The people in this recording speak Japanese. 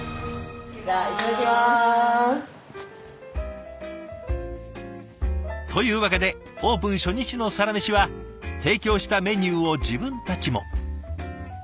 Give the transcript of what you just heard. いただきます！というわけでオープン初日のサラメシは提供したメニューを自分たちも。